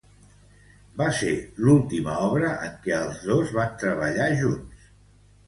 Va ser l'última obra en què els dos van treballar junts.